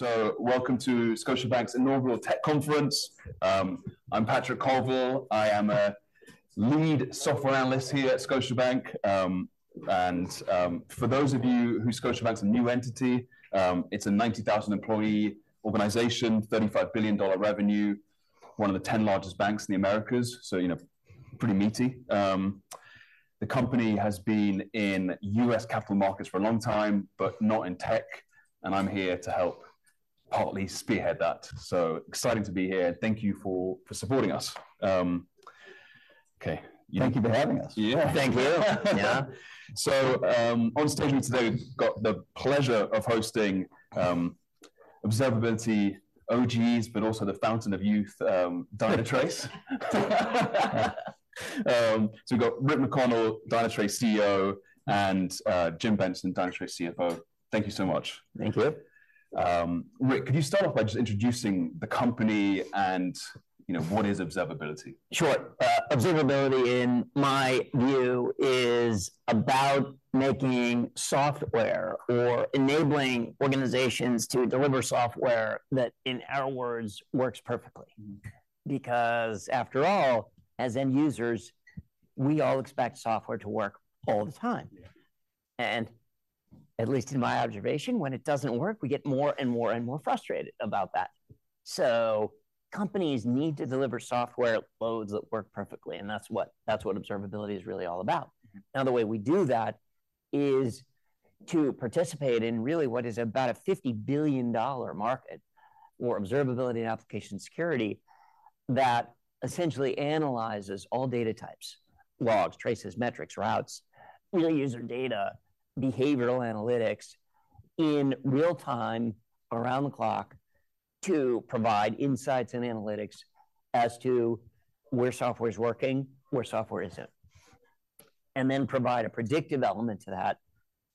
So welcome to Scotiabank's inaugural tech conference. I'm Patrick Colville. I am a lead software analyst here at Scotiabank. And for those of you who Scotiabank's a new entity, it's a 90,000-employee organization, $35 billion revenue, one of the 10 largest banks in the Americas, so, you know, pretty meaty. The company has been in U.S. capital markets for a long time, but not in tech, and I'm here to help partly spearhead that. So excited to be here, and thank you for supporting us. Okay. Thank you for having us. Yeah. Thank you. Yeah. So, on stage with me today, we've got the pleasure of hosting, observability OGs, but also the fountain of youth, Dynatrace. So we've got Rick McConnell, Dynatrace CEO, and Jim Benson, Dynatrace CFO. Thank you so much. Thank you. Rick, could you start off by just introducing the company, and, you know, what is observability? Sure. observability, in my view, is about making software or enabling organizations to deliver software that, in our words, "Works perfectly. Mm. Because after all, as end users, we all expect software to work all the time. Yeah. At least in my observation, when it doesn't work, we get more and more and more frustrated about that. Companies need to deliver software loads that work perfectly, and that's what, that's what observability is really all about. Mm-hmm. Now, the way we do that is to participate in really what is about a $50 billion market for observability and application security that essentially analyzes all data types, logs, traces, metrics, routes, real user data, behavioral analytics, in real time around the clock to provide insights and analytics as to where software is working, where software isn't. And then provide a predictive element to that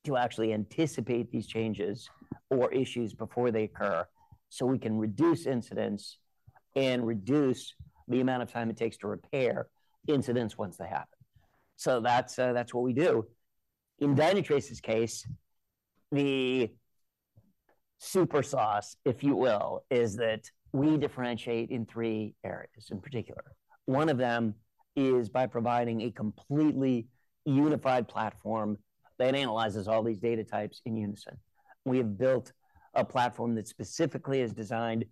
to actually anticipate these changes or issues before they occur, so we can reduce incidents and reduce the amount of time it takes to repair incidents once they happen. So that's, that's what we do. In Dynatrace's case, the super sauce, if you will, is that we differentiate in three areas in particular. One of them is by providing a completely unified platform that analyzes all these data types in unison. We have built a platform that specifically is designed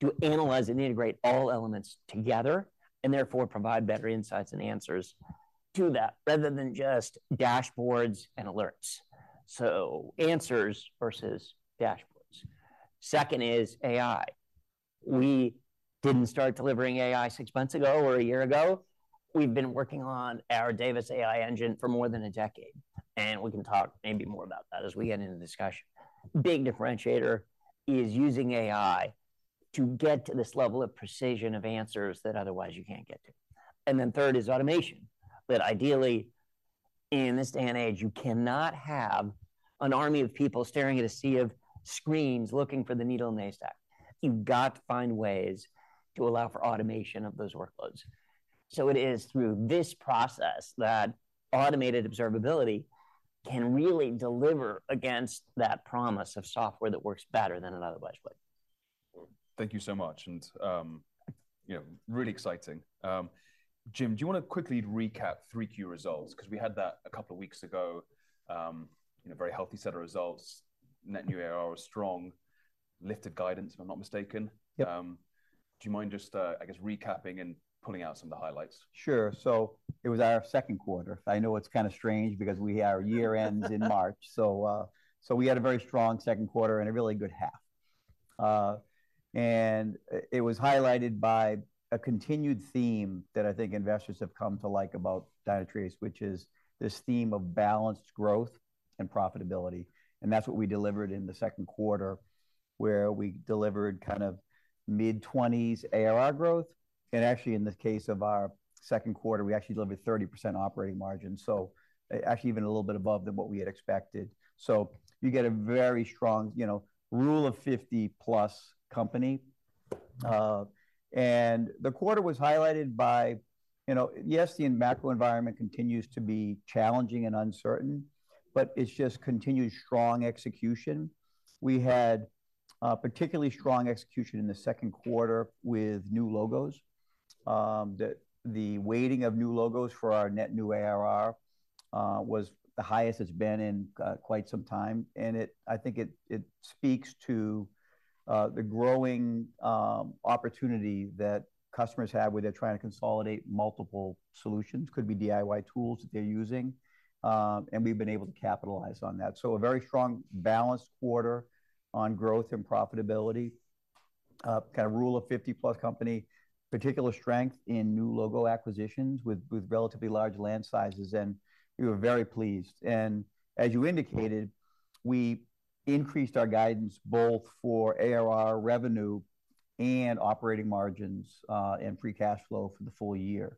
to analyze and integrate all elements together, and therefore provide better insights and answers to that, rather than just dashboards and alerts. So answers versus dashboards. Second is AI. We didn't start delivering AI six months ago or a year ago. We've been working on our Davis AI engine for more than a decade, and we can talk maybe more about that as we get into the discussion. Big differentiator is using AI to get to this level of precision of answers that otherwise you can't get to. And then third is automation. That ideally, in this day and age, you cannot have an army of people staring at a sea of screens, looking for the needle in a haystack. You've got to find ways to allow for automation of those workloads. It is through this process that automated observability can really deliver against that promise of software that works better than it otherwise would. Thank you so much, and, you know, really exciting. Jim, do you wanna quickly recap 3Q results? 'Cause we had that a couple of weeks ago, you know, very healthy set of results. Net new ARR was strong, lifted guidance, if I'm not mistaken. Yep. Do you mind just, I guess, recapping and pulling out some of the highlights? Sure. So it was our second quarter. I know it's kind of strange because our year ends in March. So, so we had a very strong second quarter and a really good half. And it was highlighted by a continued theme that I think investors have come to like about Dynatrace, which is this theme of balanced growth and profitability, and that's what we delivered in the second quarter, where we delivered kind of mid-20s ARR growth. And actually, in the case of our second quarter, we actually delivered 30% operating margin, so actually even a little bit above than what we had expected. So you get a very strong, you know, rule of 50+ company. And the quarter was highlighted by, you know... Yes, the macro environment continues to be challenging and uncertain, but it's just continued strong execution. We had particularly strong execution in the second quarter with new logos. The weighting of new logos for our net new ARR was the highest it's been in quite some time. I think it speaks to the growing opportunity that customers have where they're trying to consolidate multiple solutions, could be DIY tools that they're using, and we've been able to capitalize on that. So a very strong balanced quarter on growth and profitability, kind of rule of 50+ company, particular strength in new logo acquisitions with relatively large land sizes, and we were very pleased. And as you indicated, we increased our guidance both for ARR revenue and operating margins, and free cash flow for the full year.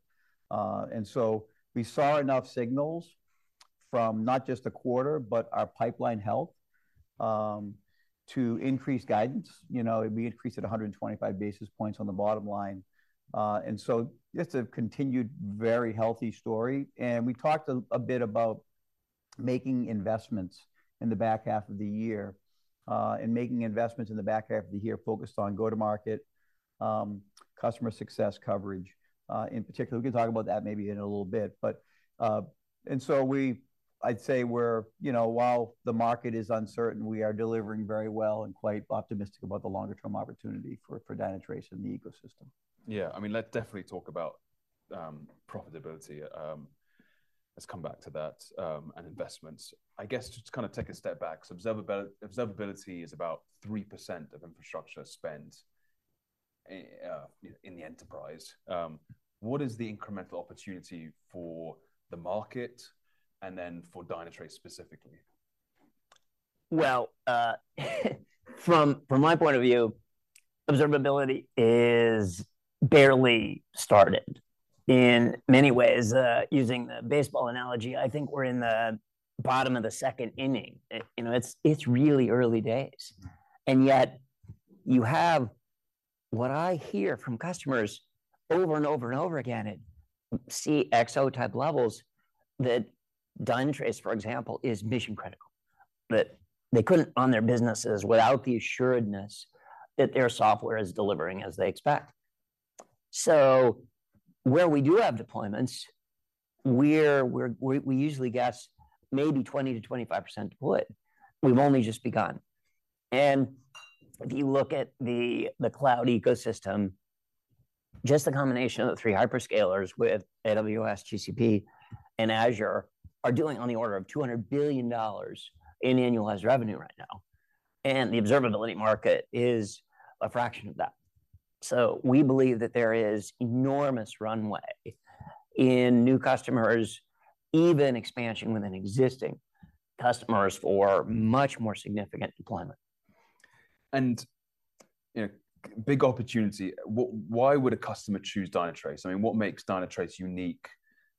And so we saw enough signals from not just the quarter, but our pipeline health, to increase guidance. You know, we increased it 125 basis points on the bottom line. And so just a continued very healthy story. And we talked a bit about- ... making investments in the back half of the year focused on go-to-market, customer success coverage, in particular. We can talk about that maybe in a little bit. But, and so I'd say we're, you know, while the market is uncertain, we are delivering very well and quite optimistic about the longer-term opportunity for Dynatrace in the ecosystem. Yeah, I mean, let's definitely talk about profitability. Let's come back to that and investments. I guess, just to kind of take a step back, so observability is about 3% of infrastructure spend in the enterprise. What is the incremental opportunity for the market and then for Dynatrace specifically? Well, from my point of view, observability is barely started. In many ways, using the baseball analogy, I think we're in the bottom of the second inning. You know, it's really early days. Mm. Yet, you have what I hear from customers over and over and over again at CXO-type levels, that Dynatrace, for example, is mission-critical, that they couldn't run their businesses without the assuredness that their software is delivering as they expect. So where we do have deployments, we're usually guess maybe 20%-25% deployed. We've only just begun. And if you look at the cloud ecosystem, just the combination of the three hyperscalers with AWS, GCP, and Azure are doing on the order of $200 billion in annualized revenue right now, and the observability market is a fraction of that. So we believe that there is enormous runway in new customers, even expansion within existing customers, for much more significant deployment. You know, big opportunity, why would a customer choose Dynatrace? I mean, what makes Dynatrace unique?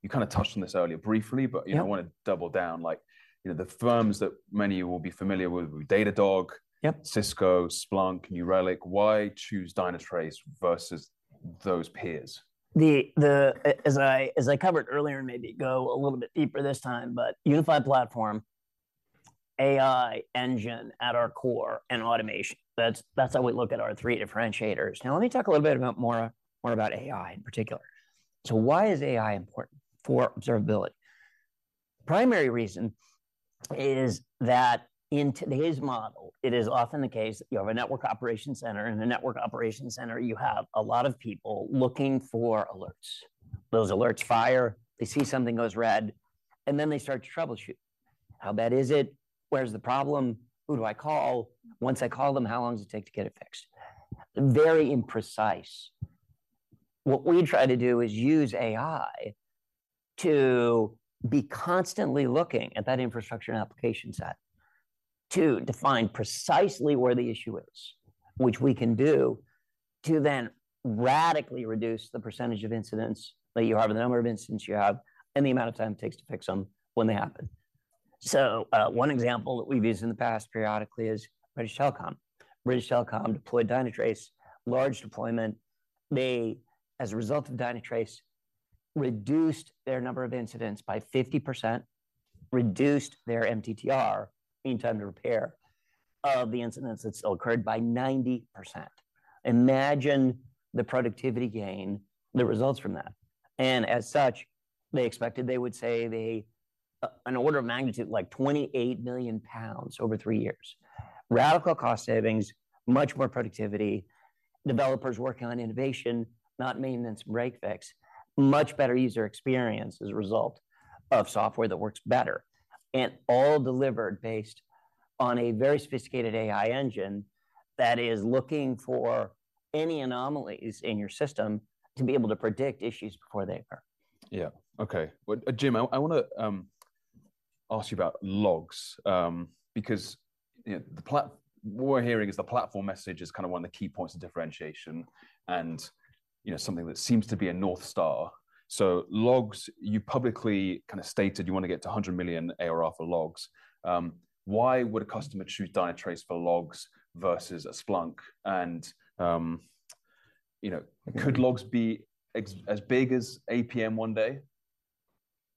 You kind of touched on this earlier, briefly- Yeah. But, you know, I want to double down. Like, you know, the firms that many will be familiar with, Datadog- Yep. Cisco, Splunk, New Relic. Why choose Dynatrace versus those peers? As I covered earlier, and maybe go a little bit deeper this time, but unified platform, AI engine at our core, and automation. That's how we look at our three differentiators. Now, let me talk a little bit more about AI in particular. So why is AI important for observability? Primary reason is that in today's model, it is often the case that you have a network operations center. In a network operations center, you have a lot of people looking for alerts. Those alerts fire, they see something goes red, and then they start to troubleshoot. How bad is it? Where's the problem? Who do I call? Once I call them, how long does it take to get it fixed? Very imprecise. What we try to do is use AI to be constantly looking at that infrastructure and application set to define precisely where the issue is, which we can do, to then radically reduce the percentage of incidents that you have, or the number of incidents you have, and the amount of time it takes to fix them when they happen. So, one example that we've used in the past periodically is British Telecom. British Telecom deployed Dynatrace, large deployment. They, as a result of Dynatrace, reduced their number of incidents by 50%, reduced their MTTR, mean time to repair, of the incidents that still occurred by 90%. Imagine the productivity gain, the results from that, and as such, they expected they would save an order of magnitude, like, 28 million pounds over three years. Radical cost savings, much more productivity, developers working on innovation, not maintenance and break-fix, much better user experience as a result of software that works better, and all delivered based on a very sophisticated AI engine that is looking for any anomalies in your system to be able to predict issues before they occur. Yeah, okay. Well, Jim, I wanna ask you about logs. Because, you know, what we're hearing is the platform message is kind of one of the key points of differentiation and, you know, something that seems to be a North Star. So logs, you publicly kind of stated you want to get to 100 million ARR for logs. Why would a customer choose Dynatrace for logs versus Splunk? And, you know, could logs be as big as APM one day?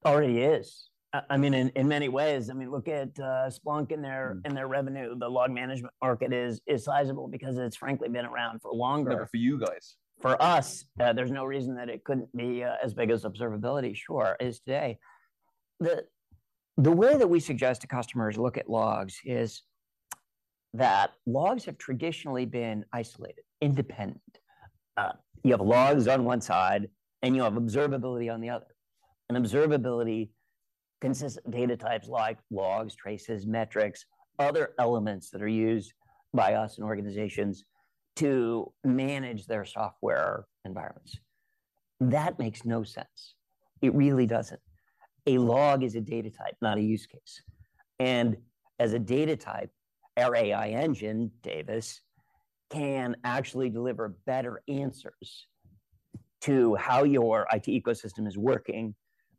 Already is, I mean, in many ways. I mean, look at Splunk and their revenue. The log management market is sizable because it's frankly been around for longer. But for you guys? For us, there's no reason that it couldn't be as big as observability, sure, is today. The way that we suggest to customers look at logs is that logs have traditionally been isolated, independent. You have logs on one side, and you have observability on the other. And observability consists of data types like logs, traces, metrics, other elements that are used by us and organizations to manage their software environments. That makes no sense. It really doesn't. A log is a data type, not a use case, and as a data type, our AI engine, Davis, can actually deliver better answers to how your IT ecosystem is working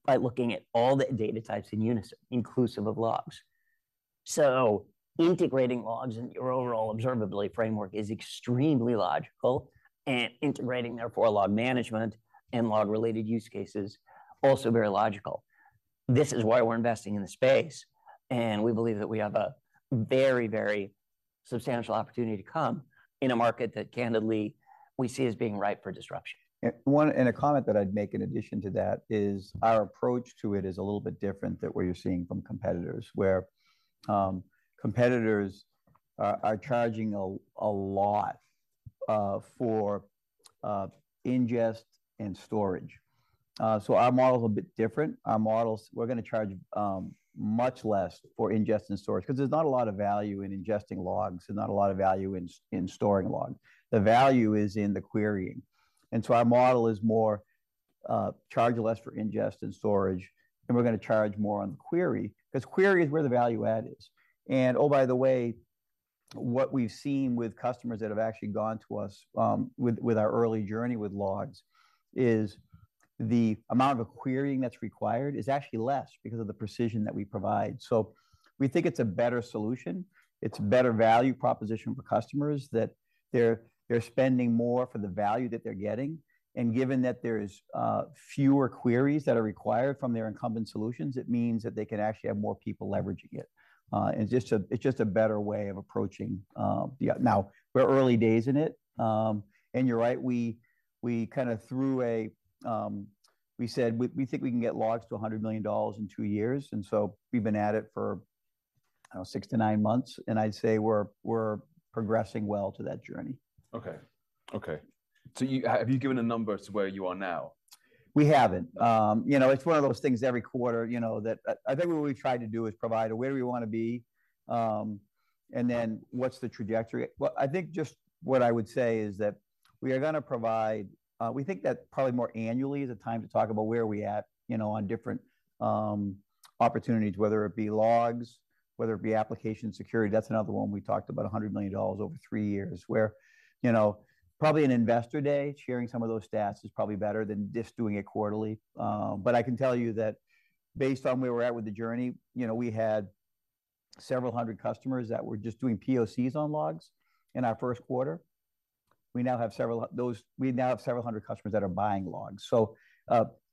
by looking at all the data types in unison, inclusive of logs.... So integrating logs in your overall observability framework is extremely logical, and integrating, therefore, log management and log-related use cases, also very logical. This is why we're investing in the space, and we believe that we have a very, very substantial opportunity to come in a market that, candidly, we see as being ripe for disruption. One comment that I'd make in addition to that is, our approach to it is a little bit different than what you're seeing from competitors, where competitors are charging a lot for ingest and storage. So our model's a bit different. Our model's-- we're gonna charge much less for ingest and storage, 'cause there's not a lot of value in ingesting logs and not a lot of value in storing logs. The value is in the querying, and so our model is more charge less for ingest and storage, and we're gonna charge more on the query, 'cause query is where the value add is. And, oh, by the way, what we've seen with customers that have actually gone to us with our early journey with logs is the amount of querying that's required is actually less because of the precision that we provide. So we think it's a better solution. It's a better value proposition for customers that they're spending more for the value that they're getting. And given that there's fewer queries that are required from their incumbent solutions, it means that they can actually have more people leveraging it. And it's just a better way of approaching... Yeah, now, we're early days in it, and you're right, we, we kinda threw a—we said, "We, we think we can get logs to $100 million in two years," and so we've been at it for, I don't know, six to nine months, and I'd say we're, we're progressing well to that journey. Okay. Okay. So, have you given a number to where you are now? We haven't. You know, it's one of those things every quarter, you know, that... I think what we try to do is provide where we wanna be, and then what's the trajectory. Well, I think just what I would say is that we are gonna provide—we think that probably more annually is the time to talk about where are we at, you know, on different opportunities, whether it be logs, whether it be application security. That's another one we talked about, $100 million over three years, where, you know, probably an investor day, sharing some of those stats is probably better than just doing it quarterly. But I can tell you that based on where we're at with the journey, you know, we had several hundred customers that were just doing POCs on logs in our first quarter. We now have several hundred customers that are buying logs. So,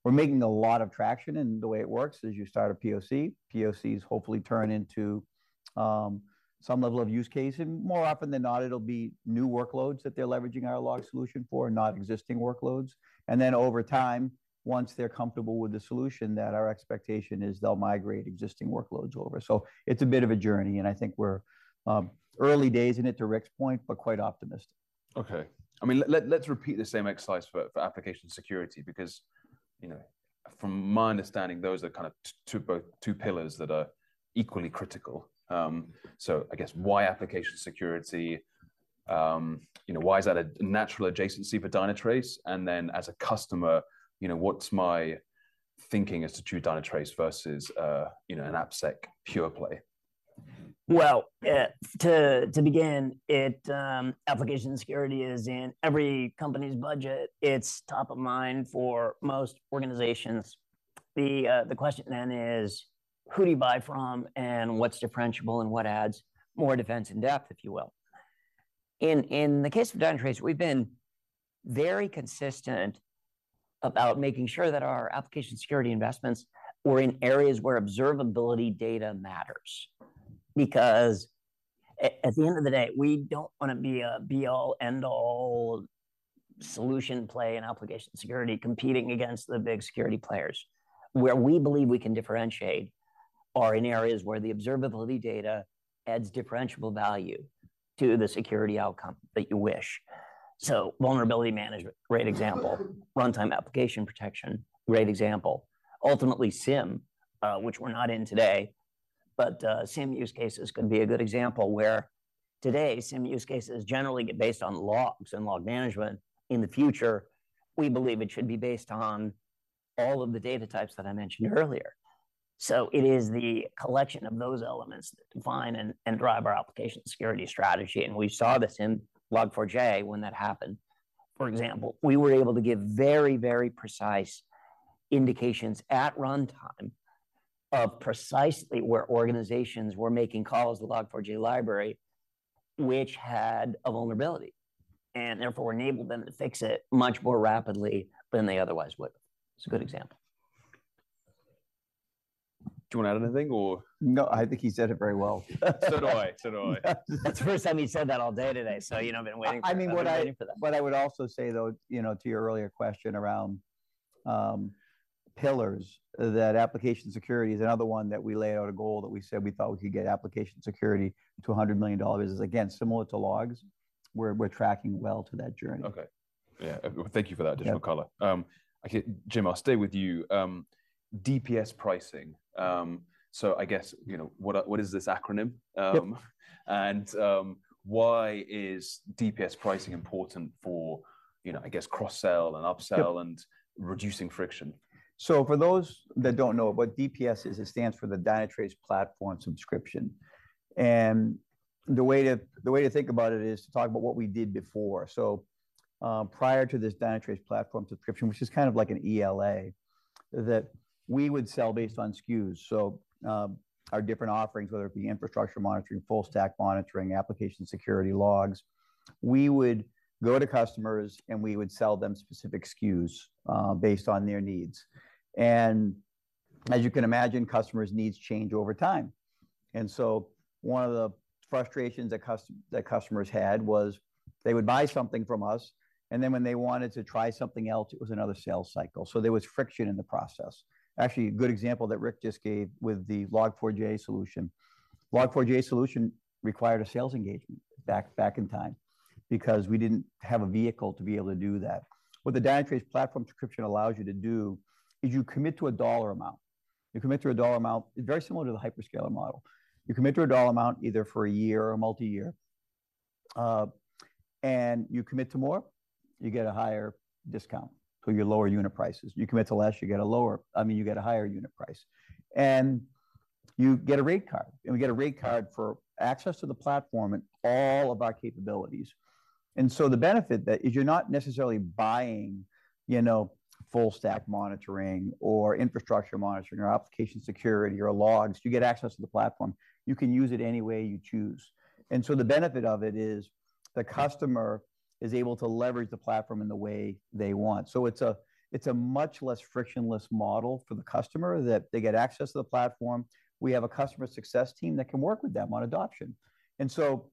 we're making a lot of traction, and the way it works is you start a POC. POCs hopefully turn into some level of use case, and more often than not, it'll be new workloads that they're leveraging our log solution for, not existing workloads. And then over time, once they're comfortable with the solution, that our expectation is they'll migrate existing workloads over. So it's a bit of a journey, and I think we're early days in it, to Rick's point, but quite optimistic. Okay, I mean, let's repeat the same exercise for application security because, you know, from my understanding, those are kind of two, both two pillars that are equally critical. So I guess, why application security? You know, why is that a natural adjacency for Dynatrace? And then, as a customer, you know, what's my thinking as to choose Dynatrace versus, you know, an AppSec pure play? Well, to begin, application security is in every company's budget. It's top of mind for most organizations. The question then is, who do you buy from, and what's differentiable, and what adds more defense in depth, if you will? In the case of Dynatrace, we've been very consistent about making sure that our application security investments were in areas where observability data matters. Because at the end of the day, we don't wanna be a be-all, end-all solution play in application security, competing against the big security players. Where we believe we can differentiate are in areas where the observability data adds differentiable value to the security outcome that you wish. So vulnerability management, great example. Runtime application protection, great example. Ultimately, SIEM, which we're not in today, but, SIEM use cases could be a good example where today, SIEM use cases generally get based on logs and log management. In the future, we believe it should be based on all of the data types that I mentioned earlier. So it is the collection of those elements that define and, and drive our application security strategy, and we saw this in Log4j when that happened. For example, we were able to give very, very precise indications at runtime of precisely where organizations were making calls to Log4j library, which had a vulnerability, and therefore enabled them to fix it much more rapidly than they otherwise would. It's a good example. Do you wanna add anything or? No, I think he said it very well. So do I. So do I. That's the first time he's said that all day today, so, you know, I've been waiting- I mean, what I- Waiting for that. What I would also say, though, you know, to your earlier question around pillars, that application security is another one that we laid out a goal that we said we thought we could get application security to $100 million. Again, similar to logs, we're tracking well to that journey. Okay. Yeah, thank you for that additional color. Yeah. Okay, Jim, I'll stay with you. DPS pricing, so I guess, you know, what is this acronym? Yep.... and, why is DPS pricing important for, you know, I guess, cross-sell and upsell- Yep... and reducing friction? So for those that don't know what DPS is, it stands for the Dynatrace Platform Subscription. And the way to think about it is to talk about what we did before. So, prior to this Dynatrace Platform Subscription, which is kind of like an ELA that we would sell based on SKUs. So, our different offerings, whether it be infrastructure monitoring, full-stack monitoring, application security logs, we would go to customers, and we would sell them specific SKUs based on their needs. And as you can imagine, customers' needs change over time. And so one of the frustrations that customers had was they would buy something from us, and then when they wanted to try something else, it was another sales cycle. So there was friction in the process. Actually, a good example that Rick just gave with the Log4j solution. Log4j solution required a sales engagement back in time because we didn't have a vehicle to be able to do that. What the Dynatrace platform subscription allows you to do is you commit to a dollar amount. You commit to a dollar amount, very similar to the hyperscaler model. You commit to a dollar amount either for a year or multi-year, and you commit to more, you get a higher discount, so your lower unit prices. You commit to less, you get a lower—I mean, you get a higher unit price. And you get a rate card, and you get a rate card for access to the platform and all of our capabilities. And so the benefit that is you're not necessarily buying, you know, full-stack monitoring or infrastructure monitoring or application security or logs. You get access to the platform. You can use it any way you choose. So the benefit of it is the customer is able to leverage the platform in the way they want. So it's a, it's a much less frictionless model for the customer that they get access to the platform. We have a customer success team that can work with them on adoption. So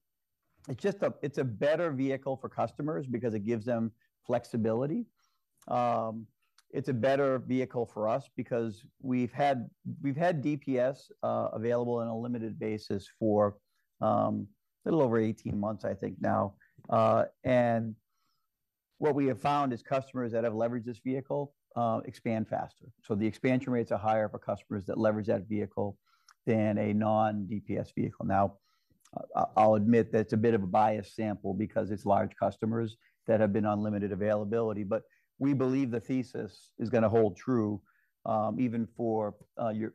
it's just a—it's a better vehicle for customers because it gives them flexibility. It's a better vehicle for us because we've had, we've had DPS available on a limited basis for a little over 18 months, I think now. And what we have found is customers that have leveraged this vehicle expand faster. So the expansion rates are higher for customers that leverage that vehicle than a non-DPS vehicle. Now, I'll admit that it's a bit of a biased sample because it's large customers that have been on limited availability, but we believe the thesis is gonna hold true, even for,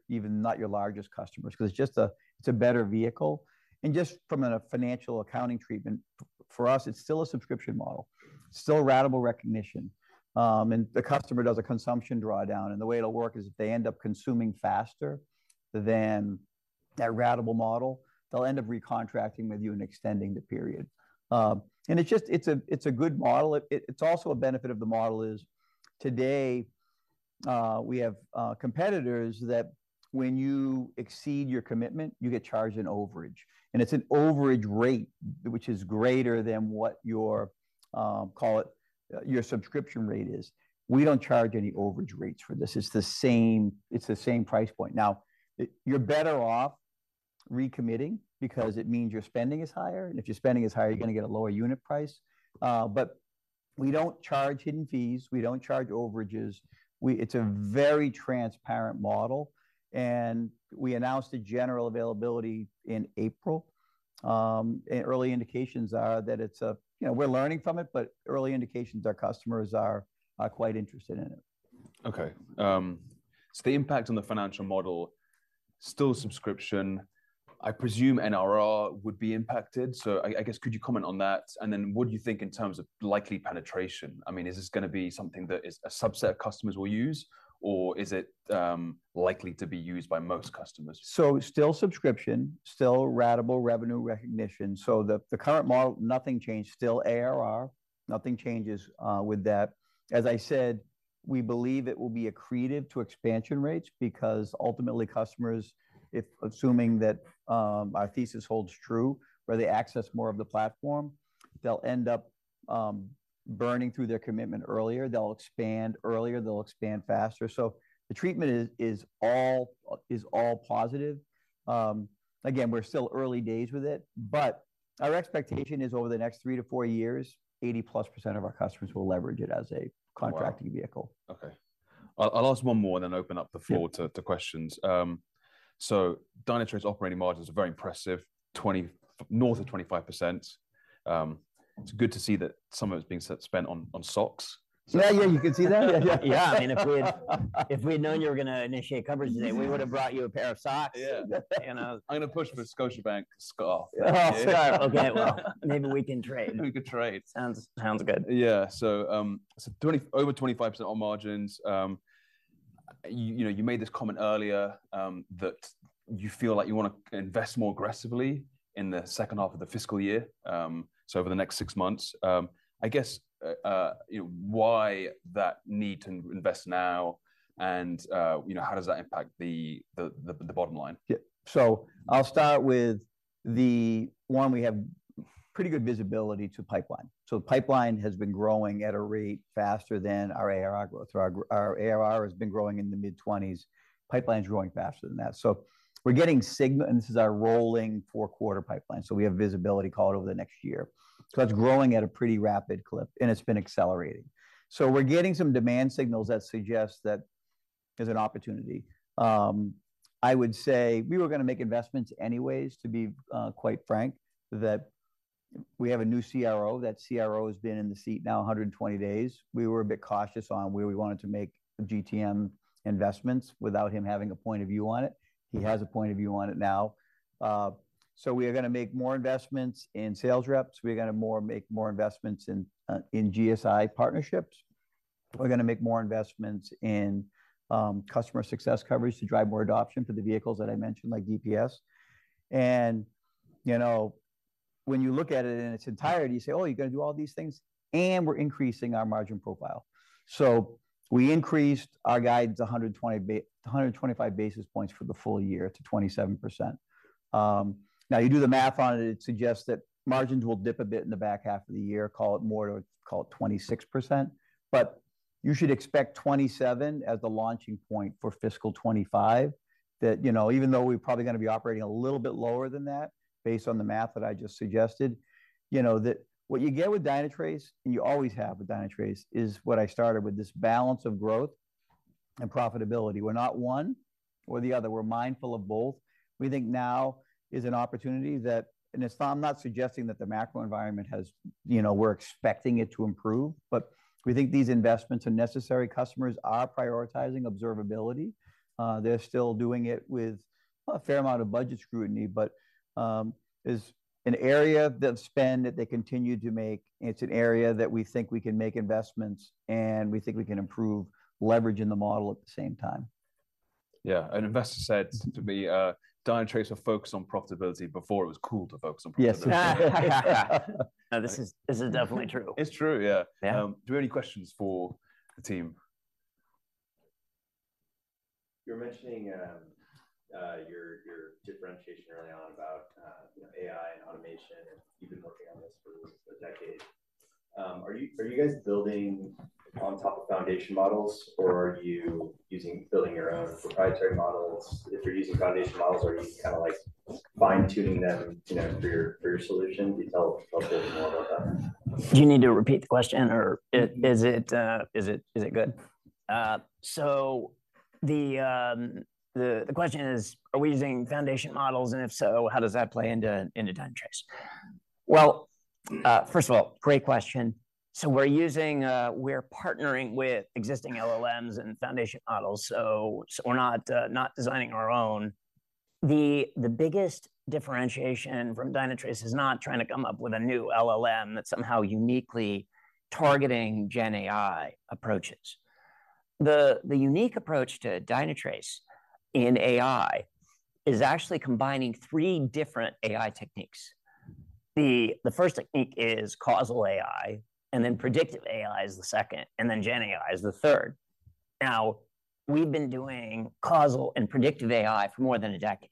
even not your largest customers, because it's just a, it's a better vehicle. And just from a financial accounting treatment, for us, it's still a subscription model, still ratable recognition. And the customer does a consumption drawdown, and the way it'll work is if they end up consuming faster than that ratable model, they'll end up recontracting with you and extending the period. And it's just a, it's a good model. It's also a benefit of the model. Today, we have competitors that when you exceed your commitment, you get charged an overage, and it's an overage rate which is greater than what your, call it, your subscription rate is. We don't charge any overage rates for this. It's the same, it's the same price point. Now, you're better off recommitting because it means your spending is higher, and if your spending is higher, you're gonna get a lower unit price. But we don't charge hidden fees. We don't charge overages. It's a very transparent model, and we announced the general availability in April. And early indications are that it's a... You know, we're learning from it, but early indications, our customers are quite interested in it. Okay, so the impact on the financial model, still subscription, I presume NRR would be impacted. So I guess, could you comment on that? And then what do you think in terms of likely penetration? I mean, is this gonna be something that is a subset of customers will use, or is it likely to be used by most customers? So still subscription, still ratable revenue recognition. So the current model, nothing changed, still ARR. Nothing changes with that. As I said, we believe it will be accretive to expansion rates because ultimately customers, if assuming that our thesis holds true, where they access more of the platform, they'll end up burning through their commitment earlier, they'll expand earlier, they'll expand faster. So the treatment is all positive. Again, we're still early days with it, but our expectation is over the next three to four years, 80%+ of our customers will leverage it as a contracting vehicle. Wow! Okay. I'll ask one more and then open up the floor- Yeah... to, to questions. So Dynatrace operating margins are very impressive, north of 25%. It's good to see that some of it's being spent on socks. Yeah, yeah, you can see that? Yeah, I mean, if we'd known you were gonna initiate coverage today, we would have brought you a pair of socks. Yeah. You know. I'm gonna push for Scotiabank scarf. Oh, scarf. Okay, well, maybe we can trade. We could trade. Sounds good. Yeah. So, over 25% on margins. You know, you made this comment earlier, that you feel like you wanna invest more aggressively in the second half of the fiscal year, so over the next six months. I guess, why that need to invest now, and, you know, how does that impact the bottom line? Yeah. So I'll start with the one. We have pretty good visibility to pipeline. So the pipeline has been growing at a rate faster than our ARR growth. Our, our ARR has been growing in the mid-20s. Pipeline's growing faster than that. So we're getting signal and this is our rolling four-quarter pipeline, so we have visibility call it over the next year. So that's growing at a pretty rapid clip, and it's been accelerating. So we're getting some demand signals that suggest that there's an opportunity. I would say we were gonna make investments anyways, to be quite frank, that we have a new CRO. That CRO has been in the seat now 120 days. We were a bit cautious on where we wanted to make GTM investments without him having a point of view on it. He has a point of view on it now. So we are gonna make more investments in sales reps. We're gonna make more investments in GSI partnerships. We're gonna make more investments in customer success coverage to drive more adoption for the vehicles that I mentioned, like DPS. And, you know, when you look at it in its entirety, you say, "Oh, you're gonna do all these things?" And we're increasing our margin profile. So we increased our guidance 125 basis points for the full year to 27%. Now, you do the math on it, it suggests that margins will dip a bit in the back half of the year, call it more to, call it 26%. But you should expect 27 as the launching point for fiscal 2025. That, you know, even though we're probably gonna be operating a little bit lower than that, based on the math that I just suggested, you know, that what you get with Dynatrace, and you always have with Dynatrace, is what I started with, this balance of growth and profitability. We're not one or the other, we're mindful of both. We think now is an opportunity that... I'm not suggesting that the macro environment has, you know, we're expecting it to improve, but we think these investments are necessary. Customers are prioritizing observability. They're still doing it with a fair amount of budget scrutiny, but is an area of spend that they continue to make, and it's an area that we think we can make investments, and we think we can improve leverage in the model at the same time. Yeah. An investor said to me, "Dynatrace are focused on profitability before it was cool to focus on profitability. Yes. No, this is, this is definitely true. It's true, yeah. Yeah. Do we have any questions for the team? You were mentioning your differentiation early on about you know, AI and automation, and you've been working on this for a decade. Are you guys building on top of foundation models, or are you building your own proprietary models? If you're using foundation models, are you kinda like fine-tuning them you know, for your solution? Tell us more about that. Do you need to repeat the question, or is it good? So the question is, are we using foundation models, and if so, how does that play into Dynatrace? Well, first of all, great question. So we're using, we're partnering with existing LLMs and foundation models, so we're not designing our own. The biggest differentiation from Dynatrace is not trying to come up with a new LLM that's somehow uniquely targeting GenAI approaches. The unique approach to Dynatrace in AI is actually combining three different AI techniques. The first technique is Causal AI, and then Predictive AI is the second, and then GenAI is the third. Now, we've been doing Causal AI and Predictive AI for more than a decade.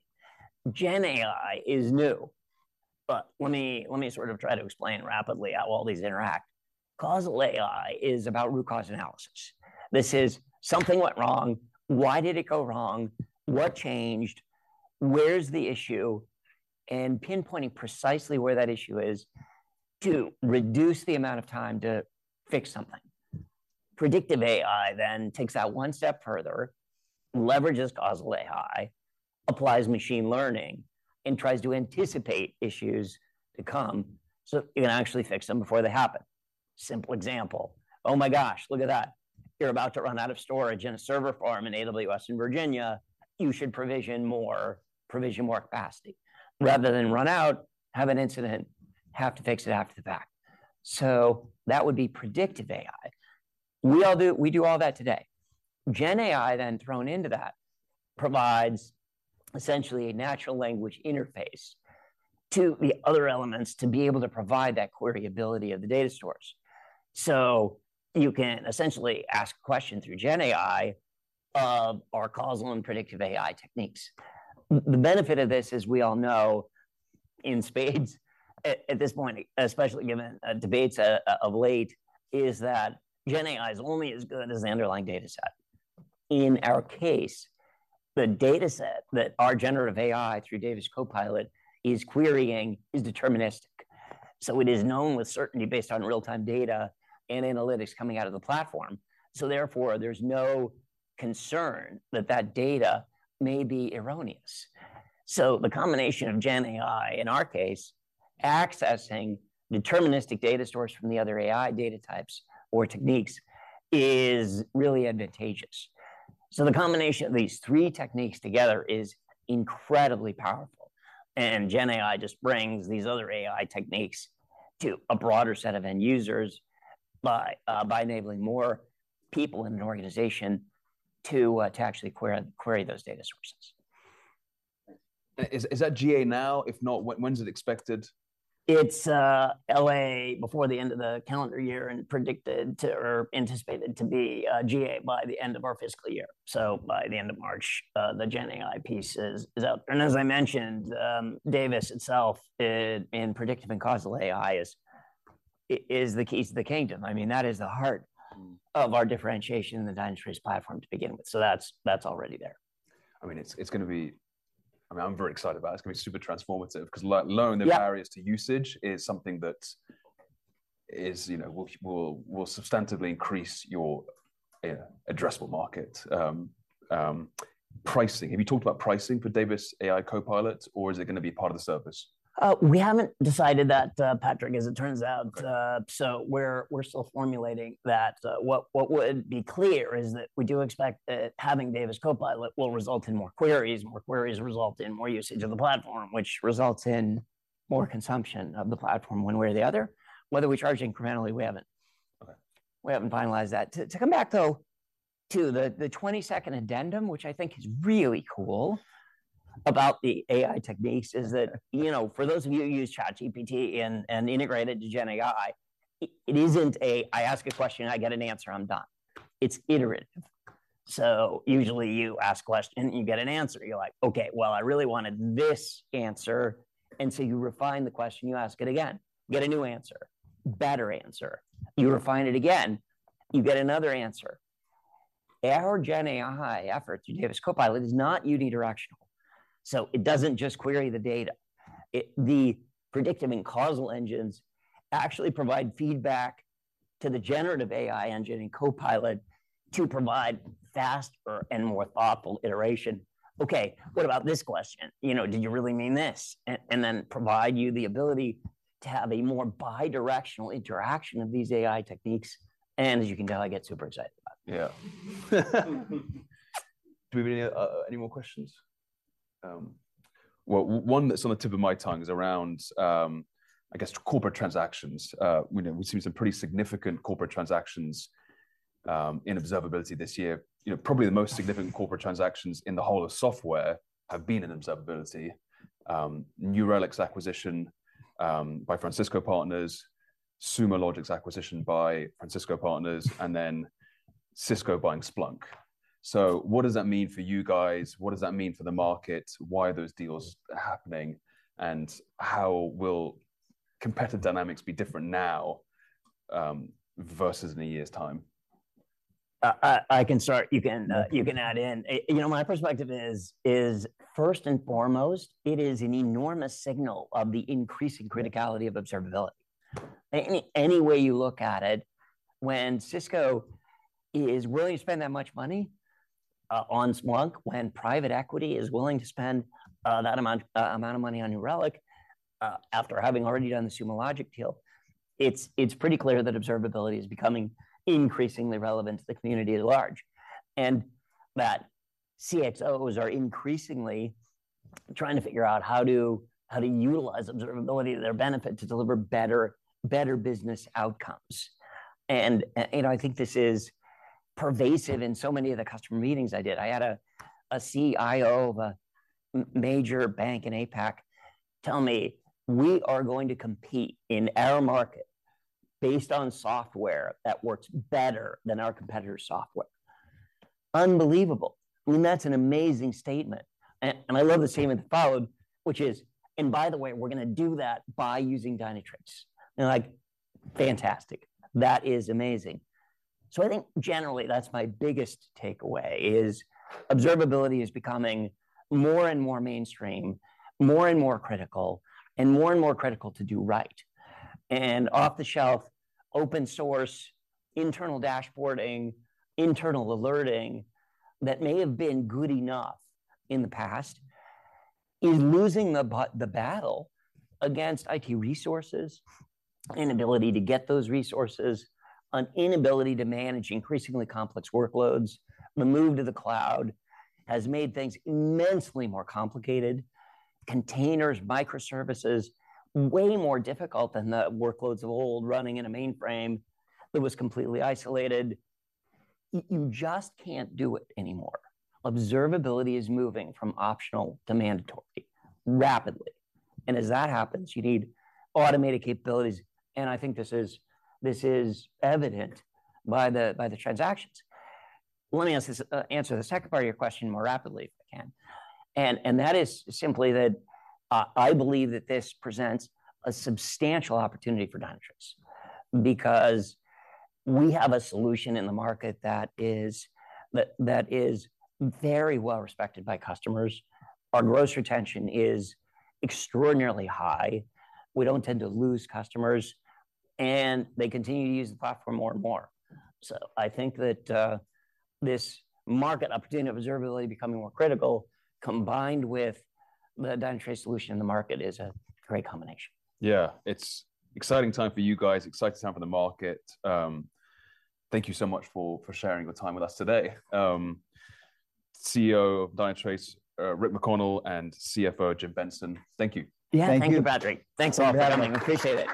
GenAI is new, but let me, let me sort of try to explain rapidly how all these interact. Causal AI is about root cause analysis. This is, something went wrong, why did it go wrong? What changed? Where's the issue? And pinpointing precisely where that issue is to reduce the amount of time to fix something. Predictive AI then takes that one step further, leverages causal AI, applies machine learning, and tries to anticipate issues to come, so you can actually fix them before they happen. Simple example, oh, my gosh, look at that! You're about to run out of storage in a server farm in AWS in Virginia. You should provision more, provision more capacity, rather than run out, have an incident, have to fix it after the fact. So that would be predictive AI. We all do, we do all that today. GenAI then thrown into that provides essentially a natural language interface to the other elements to be able to provide that query ability of the data source. So you can essentially ask questions through GenAI of our Causal and Predictive AI techniques. The benefit of this, as we all know in spades at this point, especially given of late, is that GenAI is only as good as the underlying data set. In our case, the data set that our generative AI, through Davis CoPilot, is querying, is deterministic. So it is known with certainty based on real-time data and analytics coming out of the platform. So therefore, there's no concern that that data may be erroneous. So the combination of GenAI, in our case, accessing deterministic data stores from the other AI data types or techniques, is really advantageous. The combination of these three techniques together is incredibly powerful, and GenAI just brings these other AI techniques to a broader set of end users by enabling more people in an organization to actually query those data sources. Is that GA now? If not, when is it expected? It's LA before the end of the calendar year, and predicted to... or anticipated to be GA by the end of our fiscal year. So by the end of March the GenAI piece is out. And as I mentioned, Davis itself in predictive and causal AI is the keys to the kingdom. I mean, that is the heart of our differentiation in the Dynatrace platform to begin with. So that's already there. I mean, it's gonna be—I mean, I'm very excited about it. It's gonna be super transformative, 'cause lowering— Yeah... the barriers to usage is something that is, you know, will substantively increase your addressable market. Pricing. Have you talked about pricing for Davis CoPilot, or is it gonna be part of the service? We haven't decided that, Patrick, as it turns out. So we're still formulating that. What would be clear is that we do expect that having Davis CoPilot will result in more queries, more queries result in more usage of the platform, which results in more consumption of the platform one way or the other. Whether we charge incrementally, we haven't. Okay. We haven't finalized that. To come back, though, to the 22nd addendum, which I think is really cool about the AI techniques, is that, you know, for those of you who use ChatGPT and integrated GenAI, it isn't. I ask a question, I get an answer, I'm done. It's iterative. So usually, you ask a question, you get an answer. You're like: "Okay, well, I really wanted this answer," and so you refine the question, you ask it again, get a new answer, better answer. You refine it again, you get another answer. Our GenAI efforts through Davis CoPilot is not unidirectional, so it doesn't just query the data. It, the predictive and causal engines actually provide feedback to the generative AI engine in CoPilot to provide faster and more thoughtful iteration. "Okay, what about this question? You know, did you really mean this?" And then provide you the ability to have a more bidirectional interaction of these AI techniques, and as you can tell, I get super excited about it. Yeah. Do we have any, any more questions? Well, one that's on the tip of my tongue is around, I guess corporate transactions. You know, we've seen some pretty significant corporate transactions, in observability this year. You know, probably the most significant corporate transactions in the whole of software have been in observability. New Relic's acquisition, by Francisco Partners, Sumo Logic's acquisition by Francisco Partners, and then Cisco buying Splunk. So what does that mean for you guys? What does that mean for the market? Why are those deals happening, and how will competitive dynamics be different now, versus in a year's time? I can start. You can, Okay.... you can add in. You know, my perspective is first and foremost, it is an enormous signal of the increasing criticality of observability. Any way you look at it, when Cisco is willing to spend that much money on Splunk, when private equity is willing to spend that amount of money on New Relic after having already done the Sumo Logic deal, it's pretty clear that observability is becoming increasingly relevant to the community at large. And that CXOs are increasingly trying to figure out how to utilize observability to their benefit to deliver better business outcomes. And you know, I think this is pervasive in so many of the customer meetings I did. I had a CIO of a major bank in APAC tell me, "We are going to compete in our market based on software that works better than our competitor's software." Unbelievable! I mean, that's an amazing statement. And I love the statement that followed, which is: "And by the way, we're gonna do that by using Dynatrace." And like, fantastic. That is amazing. So I think generally, that's my biggest takeaway, is observability is becoming more and more mainstream, more and more critical, and more and more critical to do right. And off-the-shelf, open source, internal dashboarding, internal alerting that may have been good enough in the past, is losing the battle against IT resources, inability to get those resources, an inability to manage increasingly complex workloads. The move to the cloud has made things immensely more complicated. Containers, microservices, way more difficult than the workloads of old, running in a mainframe that was completely isolated. You just can't do it anymore. Observability is moving from optional to mandatory rapidly, and as that happens, you need automated capabilities, and I think this is evident by the transactions. Let me answer the second part of your question more rapidly, if I can. And that is simply that I believe that this presents a substantial opportunity for Dynatrace because we have a solution in the market that is very well respected by customers. Our gross retention is extraordinarily high. We don't tend to lose customers, and they continue to use the platform more and more. I think that this market opportunity of observability becoming more critical, combined with the Dynatrace solution in the market, is a great combination. Yeah, it's exciting time for you guys, exciting time for the market. Thank you so much for sharing your time with us today. CEO of Dynatrace, Rick McConnell and CFO, Jim Benson, thank you. Yeah. Thank you. Thank you, Patrick. Thanks a lot for having me. Appreciate it.